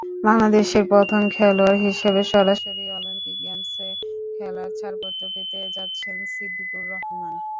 বাংলাদেশের প্রথম খেলোয়াড় হিসেবে সরাসরি অলিম্পিক গেমসে খেলার ছাড়পত্র পেতে যাচ্ছেন সিদ্দিকুর রহমান।